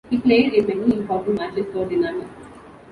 He played in many important matches for Dinamo.